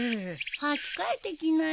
履き替えてきなよ。